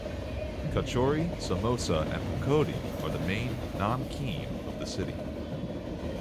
Kachori, Samosa and Pakodi are the main "namkeen" of the city.